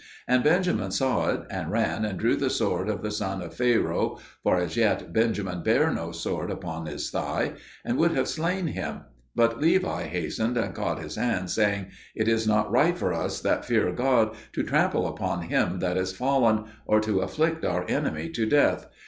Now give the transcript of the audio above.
And Benjamin saw it, and ran and drew the sword of the son of Pharaoh (for as yet Benjamin bare no sword upon his thigh), and would have slain him; but Levi hasted and caught his hand, saying, "It is not right for us that fear God to trample upon him that is fallen, or to afflict our enemy to death.